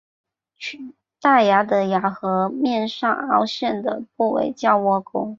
大牙的咬合面上凹陷的部位叫窝沟。